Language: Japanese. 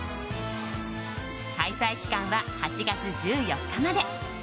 開催期間は８月１４日まで。